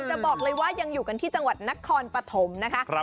จะบอกเลยว่ายังอยู่กันที่จังหวัดนครปฐมนะคะ